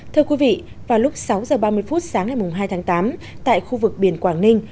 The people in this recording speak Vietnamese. thưa quý vị vào lúc sáu h ba mươi phút sáng ngày hai tháng tám tại khu vực biển quảng ninh